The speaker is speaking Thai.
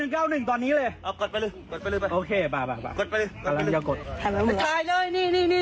กด๑๙๑ตอนนี้เลยเอากดไปเลยไป